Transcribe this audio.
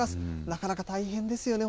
なかなか大変ですよね。